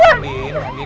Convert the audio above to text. jangan deketin aku